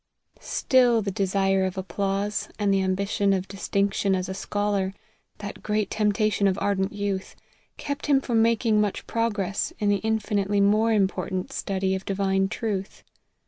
STILL the desire of applause, and the ambition of distinction as a scholar, that great temptation of irdent youth, kept him from making much progress in the infinitely more important study of divine truth.